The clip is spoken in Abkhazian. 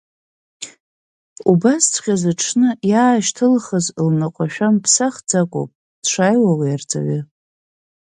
Убасҵәҟьа зыҽны иаашьҭылхыз лныҟәашәа мԥсахӡакәоуп дшааиуа уи арҵаҩгьы.